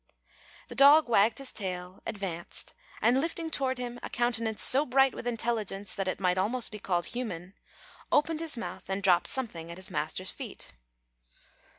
The dog wagged his tail, advanced, and, lifting toward him a countenance so bright with intelligence that it might almost be called human, opened his mouth, and dropped something at his master's feet.